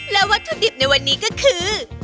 และวัตถุดิบในวันนี้ก็คือ